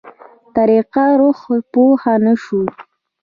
طريقه روح پوه نه شو.